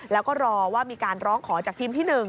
แล้วก็รอว่ามีการร้องขอจากทีมที่๑